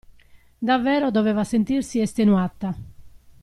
Davvero doveva sentirsi estenuata.